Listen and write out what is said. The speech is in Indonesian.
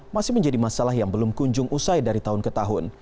masih menjadi masalah yang belum kunjung usai dari tahun ke tahun